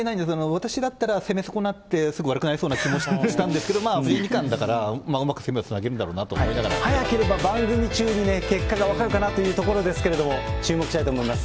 私だったら攻め損なって、すぐ悪くなりそうな気もしたんですけれども、まあ、藤井二冠だから、うまく攻めをつなげるんだろうなと早ければ番組中にね、結果が分かるかなというところですけれども、注目したいと思います。